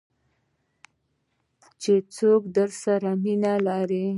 چې څوک درسره مینه لري .